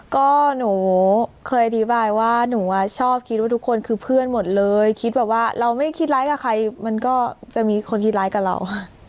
ก็หนูเคยอธิบายว่าหนูชอบคิดว่าทุกคนคือเพื่อนหมดเลยคิดแบบว่าเราไม่คิดร้ายกับใครมันก็จะมีคนคิดร้ายกับเรา